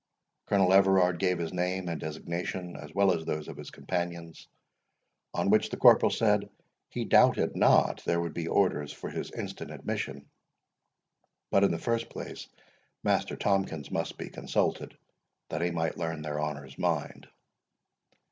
Colonel Everard gave his name and designation, as well as those of his companions, on which the corporal said, "he doubted not there would be orders for his instant admission; but, in the first place, Master Tomkins must be consulted, that he might learn their honours' mind."